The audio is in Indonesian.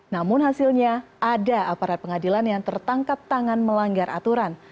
namun hasilnya ada aparat pengadilan yang tertangkap tangan melanggar aturan